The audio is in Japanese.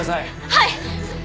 はい！